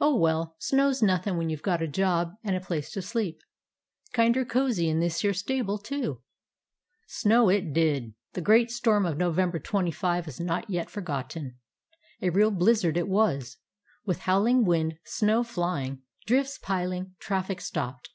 Oh, well, snow 's nothin' when you 've got a job and a place to sleep. Kinder cozy in this here stable, too." Snow it did. That great storm of Novem ber 25 is not yet forgotten. A real blizzard it was, with wind howling, snow flying, drifts piling, traffic stopped.